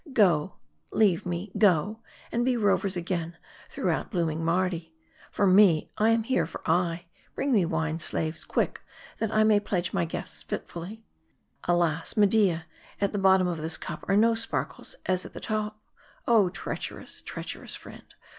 Go, leave me ; go, and be rovers again throughout blooming Mardi. For me, I am here for aye. Bring me wine, slaves ! quick ! that I may pledge my guests fitly. Alas, Media, at the bottom of this cup are no sparkles as at top. Oh, treacherous, treacherous friend